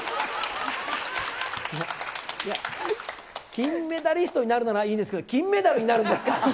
金メダリストになるならいいですけど、金メダルになるんですか？